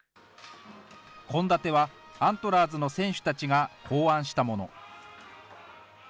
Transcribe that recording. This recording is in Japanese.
献立はアントラーズの選手たちが考案したもの。